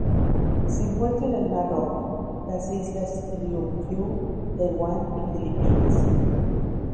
Se encuentra en el Mar Rojo, las Islas Ryukyu, Taiwán, y Filipinas.